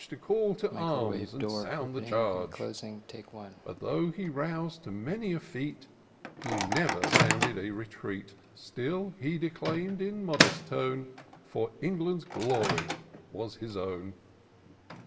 To call to arms and sound the charge ; But, though he rous'd to many a feat, He never sounded a retreat. Still he declaim*d in modest tone, For England's glory was his own.